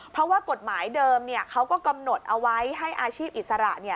เพราะว่ากฎหมายเดิมเขาก็กำหนดเอาไว้ให้อาชีพอิสระ